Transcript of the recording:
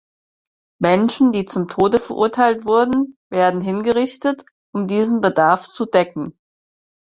Menschen, die zum Tode verurteilt wurden, werden hingerichtet, um diesen Bedarf zu decken.